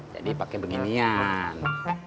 jadi pakai beginian